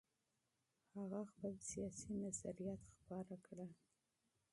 هغه خپل سیاسي نظریات خپاره کړل.